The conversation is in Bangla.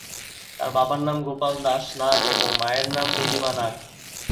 তার বাবার নাম গোপাল দাস নাগ ও মায়ের নাম নীলিমা নাগ।